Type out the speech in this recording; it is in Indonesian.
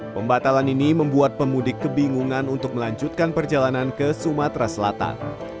pembatalan ini membuat pemudik kebingungan untuk melanjutkan perjalanan ke sumatera selatan